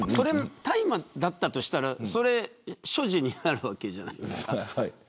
大麻だったとしたら、それ所持になるわけじゃないですか。